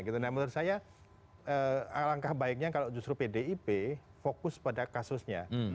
menurut saya alangkah baiknya kalau justru pdip fokus pada kasusnya